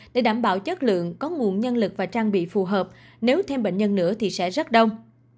để đảm bảo chất lượng có nguồn nhân lực và trang bị phù hợp nếu thêm bệnh nhân nữa thì sẽ rất đông